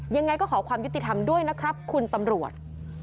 ยังไงก็ขอความยุติธรรมด้วยนะครับคุณตำรวจ